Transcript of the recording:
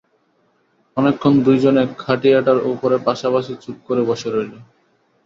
অনেকক্ষণ দুইজনে খাটিয়াটার উপরে পাশাপাশি চুপ করে বসে রইল।